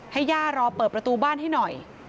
ย่ารอเปิดประตูบ้านให้หน่อย